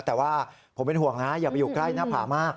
แต่ว่าผมเป็นห่วงนะอย่าไปอยู่ใกล้หน้าผามาก